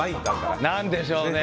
何でしょうね？